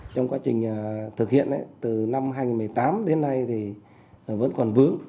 trình thực hiện từ năm hai nghìn một mươi tám đến nay vẫn còn vướng